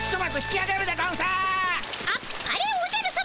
あっぱれおじゃるさま。